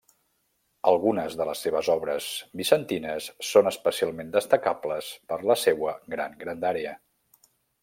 Algunes de les seves obres vicentines són especialment destacables per la seua gran grandària.